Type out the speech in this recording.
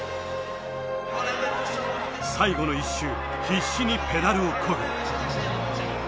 最後の１周、必死にペダルをこぐ。